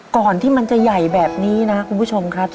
ก่อนที่มันจะใหญ่แบบนี้นะครับคุณผู้ชมครับ